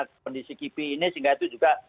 kondisi kipi ini sehingga itu juga